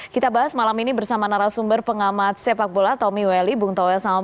kita bahas malam ini bersama narasumber pengamat sepak bola tommy welly bung towel selamat malam